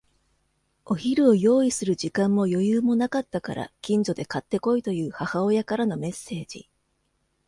お昼を用意する時間も余裕もなかったから、近所で買って来いという母親からのメッセージ。